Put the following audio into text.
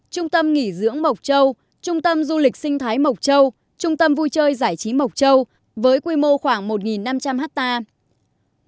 trung tâm nghỉ dưỡng mộc châu trung tâm du lịch sinh thái mộc châu trung tâm vui chơi giải trí mộc châu với quy mô khoảng một năm trăm linh hectare